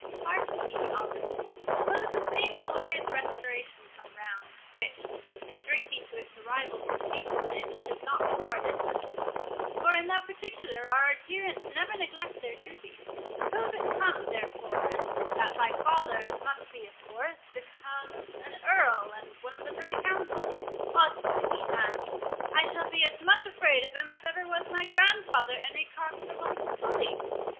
—Hark ye, Albert—Suppose the same glorious Restoration come round—which, if drinking to its arrival can hasten it, should not be far distant,—for in that particular our adherents never neglect their duty, suppose it come, therefore, and that thy father, as must be of course, becomes an Earl and one of the Privy Council, oddsfish, man, I shall be as much afraid of him as ever was my grandfather Henri Quatre of old Sully.